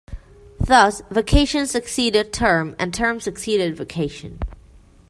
Thus, vacation succeeded term, and term succeeded vacation.